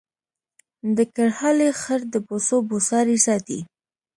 د کرهالې خړ د بوسو بوساړې ساتي